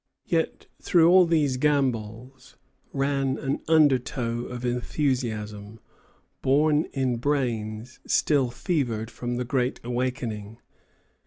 Yet through all these gambols ran an undertow of enthusiasm, born in brains still fevered from the "Great Awakening."